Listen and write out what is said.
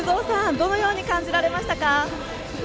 どのように感じましたか？